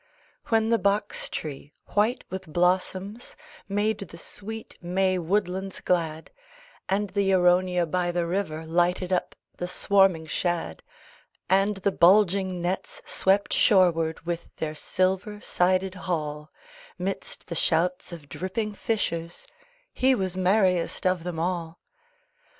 When the box tree, white with blossoms, Made the sweet May woodlands glad, And the Aronia by the river Lighted up the swarming shad, And the bulging nets swept shoreward With their silver sided haul, Midst the shouts of dripping fishers, He was merriest of them all.